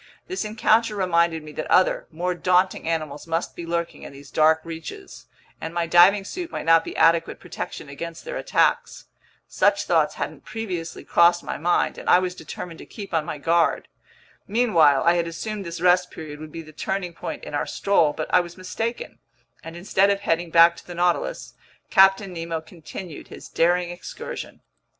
This encounter reminded me that other, more daunting animals must be lurking in these dark reaches, and my diving suit might not be adequate protection against their attacks. Such thoughts hadn't previously crossed my mind, and I was determined to keep on my guard. Meanwhile I had assumed this rest period would be the turning point in our stroll, but I was mistaken; and instead of heading back to the Nautilus, Captain Nemo continued his daring excursion.